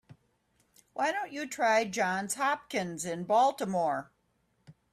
Why don't you try Johns Hopkins in Baltimore?